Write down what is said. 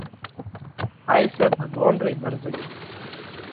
هائي سئہ ڀڳوونَ رئِي مرضئِي۔